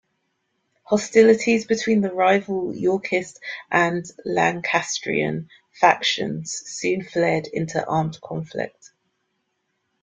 Hostilities between the rival Yorkist and Lancastrian factions soon flared into armed conflict.